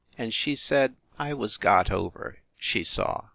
And she said, I was got over, she saw.